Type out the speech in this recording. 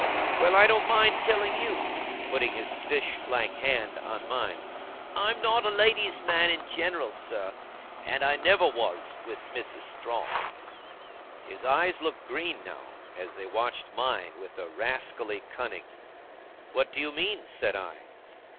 Well, I don't mind telling you,' putting his fish like hand on mine, 'I'm not a lady's man in general, sir, and I never was, with Mrs. Strong.' His eyes looked green now, as they watched mine with a rascally cunning. 'What do you mean?' said I.